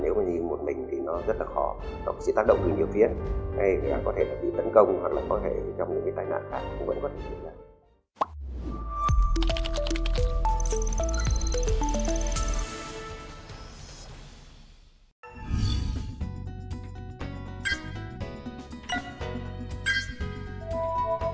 nếu như một mình thì nó rất là khó nó sẽ tác động từ nhiều phía có thể bị tấn công hoặc là có thể trong những tài nạn khác cũng vẫn có thể bị tấn công